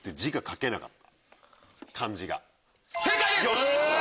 よし！